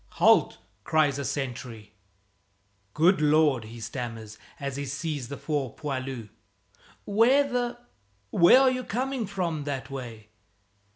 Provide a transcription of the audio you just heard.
"Halt!" cries a sentry "Good Lord!" he stammers as he sees the four poilus. "Where the where are you coming from, that way?"